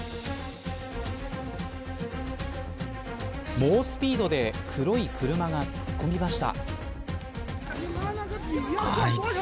猛スピードで黒い車が突っ込みました。